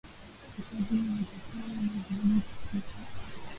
Hifadhi hiyo imepakana na vijiji tisa